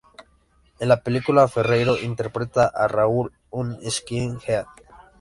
En la película Ferreiro interpreta a Raúl, un "skinhead".